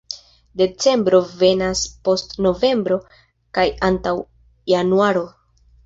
Decembro venas post novembro kaj antaŭ januaro.